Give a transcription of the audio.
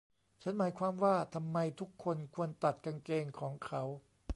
ฉันหมายความว่า ทำไมทุกคนควรตัดกางเกงของเขา ?